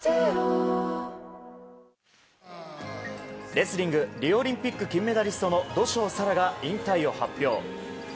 レスリングリオオリンピック金メダリストの土性沙羅が引退を発表。